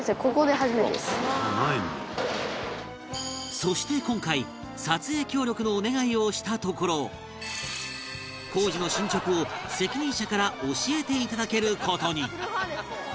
そして今回撮影協力のお願いをしたところ工事の進捗を責任者から教えていただける事に